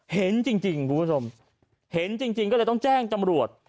เห็นจริงคุณผู้ชมเห็นจริงก็เลยต้องแจ้งจำรวจ